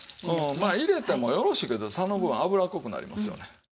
まあいれてもよろしいけどその分油っこくなりますよね。